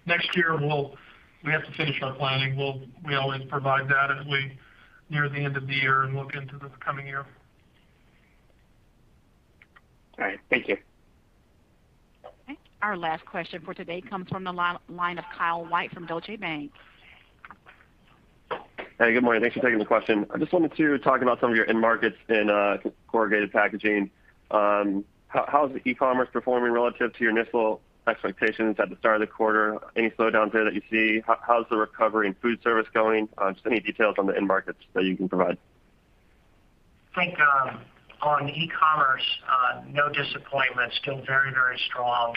Speaker 3: Next year, we have to finish our planning. We always provide that as we near the end of the year and look into the coming year.
Speaker 14: All right. Thank you.
Speaker 4: Okay. Our last question for today comes from the line of Kyle White from Deutsche Bank.
Speaker 15: Hey, good morning. Thanks for taking the question. I just wanted to talk about some of your end markets in corrugated packaging. How is e-commerce performing relative to your initial expectations at the start of the quarter? Any slowdowns there that you see? How's the recovery in food service going? Just any details on the end markets that you can provide.
Speaker 2: I think on e-commerce, no disappointment. Still very strong.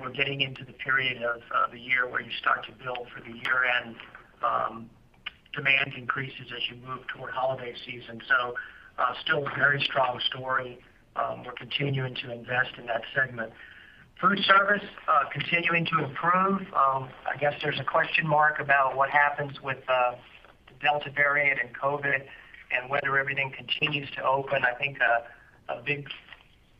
Speaker 2: We're getting into the period of the year where you start to build for the year-end demand increases as you move toward holiday season. Still a very strong story. We're continuing to invest in that segment. Food service, continuing to improve. I guess there's a question mark about what happens with the Delta variant and COVID and whether everything continues to open. I think a big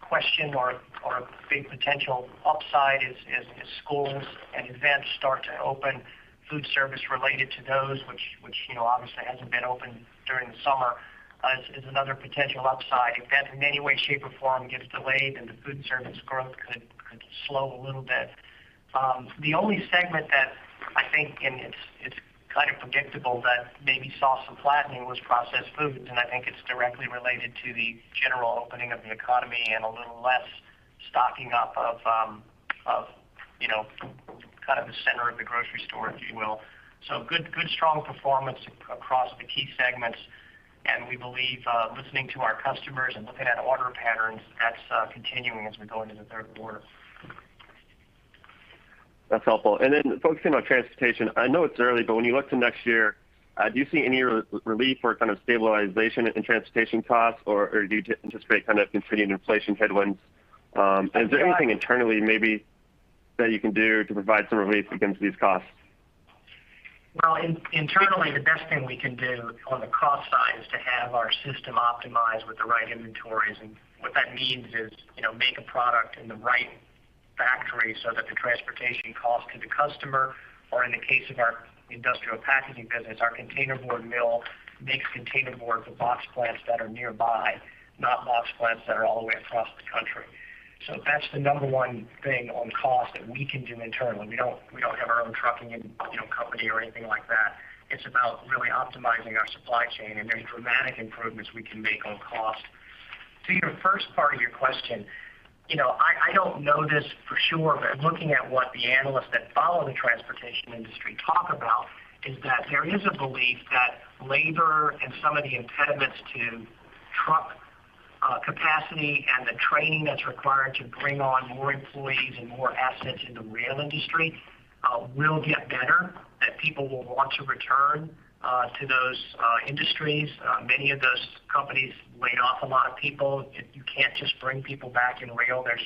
Speaker 2: question or a big potential upside is as schools and events start to open, food service related to those, which obviously hasn't been open during the summer, is another potential upside. If that in any way, shape, or form gets delayed, then the food service growth could slow a little bit. The only segment that I think, and it's kind of predictable, that maybe saw some flattening was processed foods, and I think it's directly related to the general opening of the economy and a little less stocking up of kind of the center of the grocery store, if you will. Good strong performance across the key segments, and we believe, listening to our customers and looking at order patterns, that's continuing as we go into the Q3.
Speaker 15: That's helpful. Then focusing on transportation, I know it's early, when you look to next year, do you see any relief or kind of stabilization in transportation costs, or do you anticipate kind of continued inflation headwinds? Is there anything internally maybe that you can do to provide some relief against these costs?
Speaker 2: Well, internally, the best thing we can do on the cost side is to have our system optimized with the right inventories. What that means is, make a product in the right factory so that the transportation cost to the customer, or in the case of our Industrial Packaging business, our containerboard mill makes containerboard for box plants that are nearby, not box plants that are all the way across the country. That's the number one thing on cost that we can do internally. We don't have our own trucking company or anything like that. It's about really optimizing our supply chain, and there's dramatic improvements we can make on cost. To your first part of your question, I don't know this for sure, looking at what the analysts that follow the transportation industry talk about is that there is a belief that labor and some of the impediments to truck capacity and the training that's required to bring on more employees and more assets in the rail industry will get better, that people will want to return to those industries. Many of those companies laid off a lot of people. You can't just bring people back in rail. There's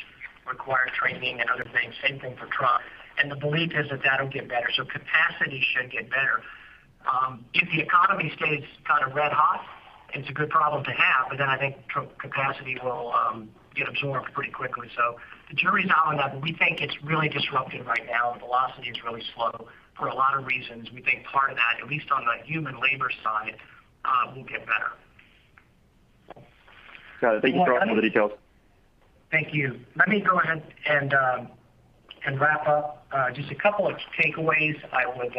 Speaker 2: required training and other things, same thing for truck. The belief is that that'll get better. Capacity should get better. If the economy stays kind of red hot, it's a good problem to have, I think capacity will get absorbed pretty quickly. The jury's out on that, but we think it's really disrupted right now, and velocity is really slow for a lot of reasons. We think part of that, at least on the human labor side, will get better.
Speaker 15: Got it. Thank you for all the details.
Speaker 2: Thank you. Let me go ahead and wrap up. Just a couple of takeaways I would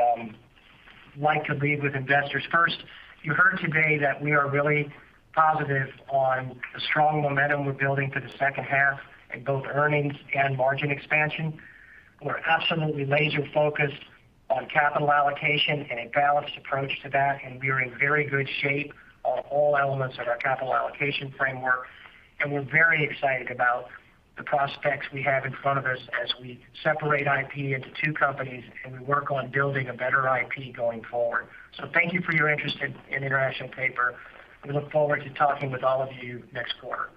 Speaker 2: like to leave with investors. First, you heard today that we are really positive on the strong momentum we're building for the H2 in both earnings and margin expansion. We're absolutely laser-focused on capital allocation and a balanced approach to that, and we are in very good shape on all elements of our capital allocation framework, and we're very excited about the prospects we have in front of us as we separate IP into two companies, and we work on building a better IP going forward. Thank you for your interest in International Paper. We look forward to talking with all of you next quarter.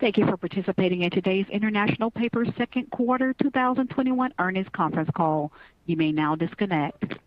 Speaker 4: Thank you for participating in today's International Paper Q2 2021 earnings conference call. You may now disconnect.